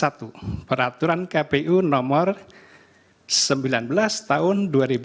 pasal lima puluh dua ayat satu peraturan kpu nomor sembilan belas tahun dua ribu dua puluh tiga